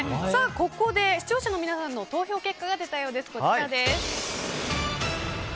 ここで視聴者の皆さんの投票結果が出たようです。